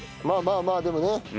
まあまあまあねえ。